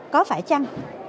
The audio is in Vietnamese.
có phải chăng